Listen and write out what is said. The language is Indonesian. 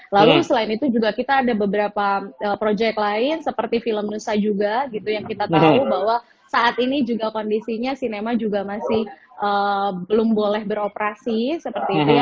lalu selain itu juga kita ada beberapa proyek lain seperti film nusa juga gitu yang kita tahu bahwa saat ini juga kondisinya sinema juga masih belum boleh beroperasi seperti itu ya